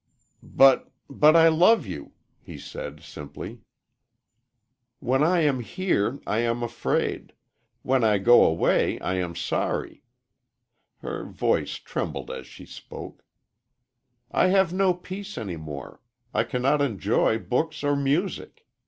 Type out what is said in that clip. "But but I love you," he said, simply. "When I am here I am afraid when I go away I am sorry." Her voice trembled as she spoke. "I have no peace any more. I cannot enjoy books or music.